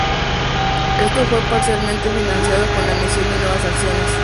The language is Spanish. Esto fue parcialmente financiado con la emisión de nuevas acciones.